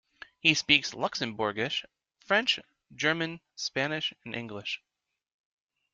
He speaks Luxembourgish, French, German, Spanish and English.